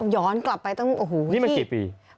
ย้อนกลับไปตั้งโอ้โหนี่มันกี่ปี